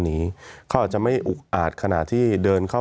มีความรู้สึกว่ามีความรู้สึกว่า